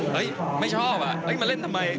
เฮ้ยไม่ชอบมาเล่นทำไม